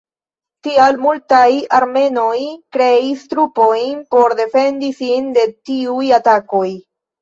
Tial, multaj armenoj kreis trupojn por defendi sin de tiuj atakoj.